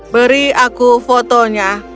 beri aku fotonya